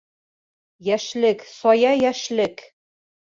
Йәшлек, сая йәшлек!